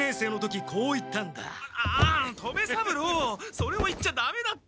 それを言っちゃダメだって！